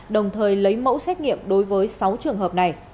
đồng thời lấy mẫu xét nghiệm đối với sáu trường hợp này